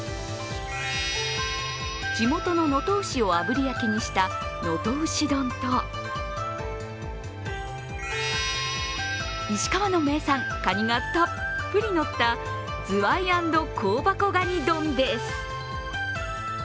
地元の能登牛をあぶり焼きにした能登牛丼と石川の名産・かにがたっぷりのったズワイ＆香箱蟹丼です。